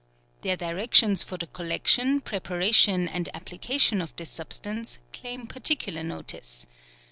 Their directions for the collection, prepara tion, and application of this substance, claim particular notice.